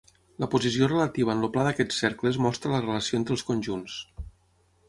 La posició relativa en el pla d'aquests cercles mostra la relació entre els conjunts.